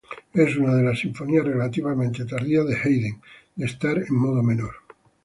Es una de las sinfonías relativamente tardías de Haydn de estar en modo menor.